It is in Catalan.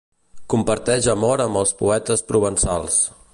Comparteix amor amb els poetes provençals.